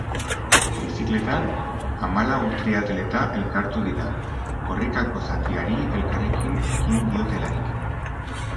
Bizikletan, hamalau triatleta elkartu dira, korrikako zatiari elkarrekin ekin diotelarik.